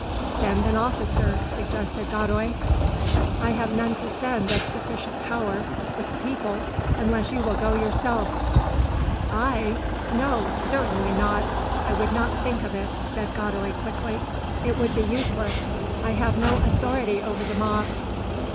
"Send an officer," suggested Godoy. "I have none to send of sufficient power with the people, unless you will go yourself." "I! No, certainly not! I would not think of it," said Godoy quickly. "It would be useless; I have no authority over the mob."